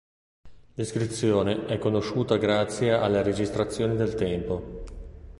L'iscrizione è conosciuta grazie alle registrazioni del tempo.